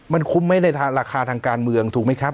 มันคุ้มไว้ในราคาทางการเมืองถูกไหมครับ